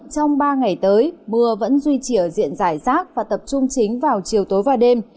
trong ba ngày tới mưa vẫn duy trì ở diện giải rác và tập trung chính vào chiều tối và đêm